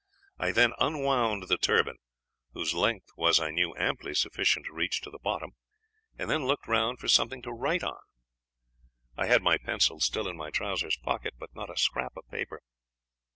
I then unwound the turban, whose length was, I knew, amply sufficient to reach to the bottom, and then looked round for something to write on. I had my pencil still in my trousers pocket, but not a scrap of paper.